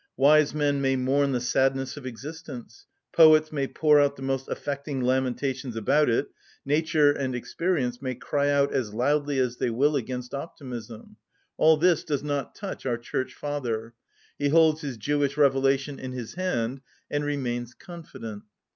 Wise men may mourn the sadness of existence, poets may pour out the most affecting lamentations about it, nature and experience may cry out as loudly as they will against optimism,—all this does not touch our Church Father: he holds his Jewish revelation in his hand, and remains confident.